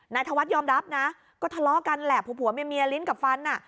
ธวัฒน์ยอมรับนะก็ทะเลาะกันแหละผัวเมียลิ้นกับฟันอ่ะ